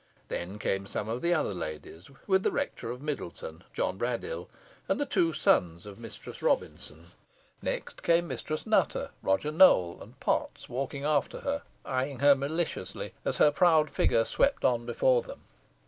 Then came some of the other ladies, with the Rector of Middleton, John Braddyll, and the two sons of Mistress Robinson. Next came Mistress Nutter, Roger Nowell and Potts walking after her, eyeing her maliciously, as her proud figure swept on before them.